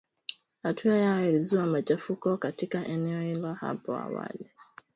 Hatua yao ilizua machafuko katika eneo hilo hapo awali